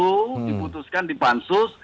diputuskan di pansus